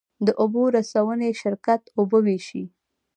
د اوبو رسونې شرکت اوبه ویشي